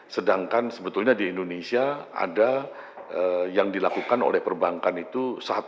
sedangkan sebetulnya di indonesia ada yang dilakukan oleh perbankan itu satu